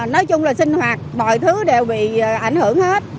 nói chung là sinh hoạt mọi thứ đều bị ảnh hưởng hết